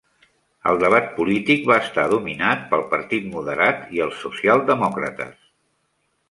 El debat polític va estar dominat pel Partit Moderat i els Socialdemòcrates.